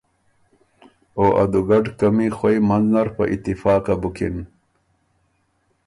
او ا دُوګډ قمی خوئ منځ نر په اتفاقه بُکن